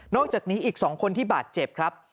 อกจากนี้อีก๒คนที่บาดเจ็บครับ